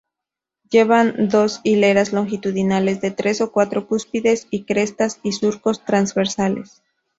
Llevan dos hileras longitudinales de tres o cuatro cúspides y crestas y surcos transversales.